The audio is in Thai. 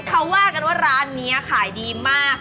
เขาว่ากันว่าร้านนี้ขายดีมาก